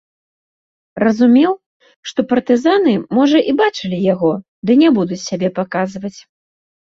Разумеў, што партызаны, можа, і бачылі яго, ды не будуць сябе паказваць.